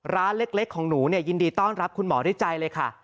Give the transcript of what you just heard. ร้านเล็กของหนูยินดีต้อนรับคุณหมอด้วยใจเลยค่ะ